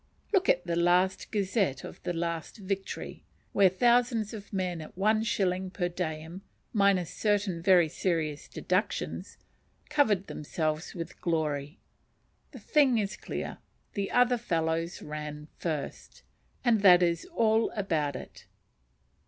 Look at the last gazette of the last victory, where thousands of men at one shilling per diem, minus certain very serious deductions, "covered themselves with glory." The thing is clear: the other fellows ran first; and that is all about it!